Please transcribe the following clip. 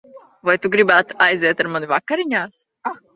Vai tu gribētu aiziet ar mani vakariņās?